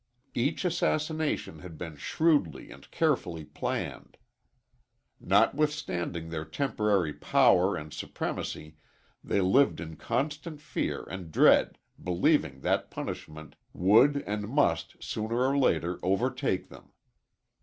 Each assassination had been shrewdly and carefully planned. Notwithstanding their temporary power and supremacy they lived in constant fear and dread, believing that punishment would and must sooner or later overtake them.